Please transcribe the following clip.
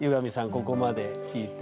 ここまで聞いて。